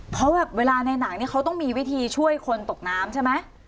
เพราะแบบเวลาในหนังเนี่ยเขาต้องมีวิธีช่วยคนตกน้ำใช่ไหม